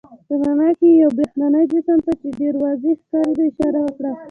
په رڼا کې یې یو بهرني جسم ته، چې ډېر واضح ښکارېده اشاره وکړه.